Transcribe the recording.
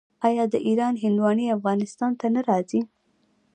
آیا د ایران هندواڼې افغانستان ته نه راځي؟